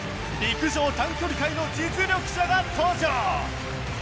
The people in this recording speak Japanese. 陸上短距離界の実力者が登場